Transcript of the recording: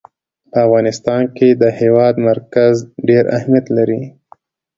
په افغانستان کې د هېواد مرکز ډېر اهمیت لري.